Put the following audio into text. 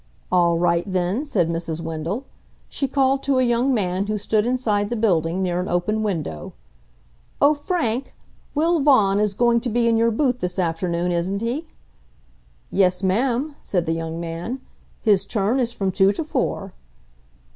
"All right then," said Mrs. Wendell. She called to a young man who stood inside the building, near an open window: "Oh, Frank, Will Vaughan is going to be in your booth this afternoon, isn't he?" "Yes, ma'am," said the young man. "His turn is from two to four."